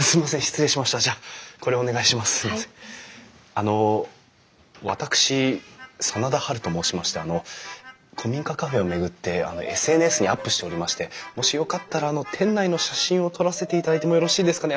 あの私真田ハルと申しましてあの古民家カフェを巡ってＳＮＳにアップしておりましてもしよかったら店内の写真を撮らせていただいてもよろしいですかね？